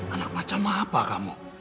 anak macam apa kamu